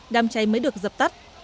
đám cháy mới được dập tắt